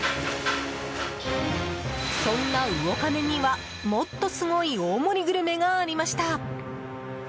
そんなウオカネにはもっとすごい大盛りグルメがありました。